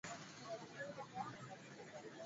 Wa Maria Dolores dos Santos Aveiro ambaye alikuwa mpishi